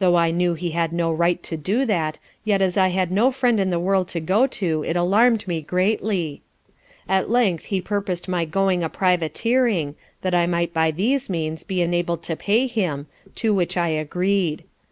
Though I knew he had no right to do that, yet as I had no friend in the world to go to, it alarm'd me greatly. At length he purpos'd my going a Privateering, that I might by these means, be enabled to pay him, to which I agreed.